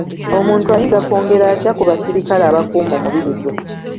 Omuntu ayinza kwongera atya ku basirikale abakuuma omubiri gwe?